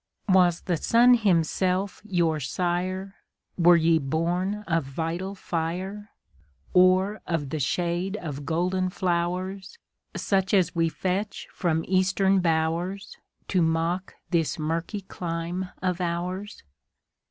Was the sun himself your sire? Were ye born of vital fire? Or of the shade of golden flowers, Such as we fetch from Eastern bowers, To mock this murky clime of ours?